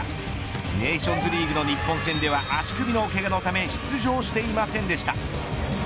ネーションズリーグの日本戦では足首のけがのため出場していませんでした。